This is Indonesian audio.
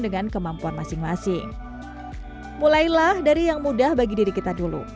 dengan kemampuan masing masing mulailah dari yang mudah bagi diri kita dulu